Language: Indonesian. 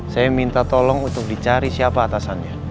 saya minta tolong untuk dicari siapa atasannya